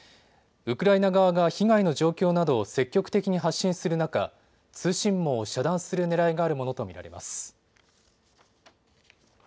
ウクライナ側が被害の状況などを積極的に発信する中、通信網を遮断するねらいがあるものと見られます。